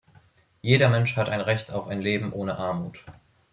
Jeder Mensch hat ein Recht auf ein Leben ohne Armut.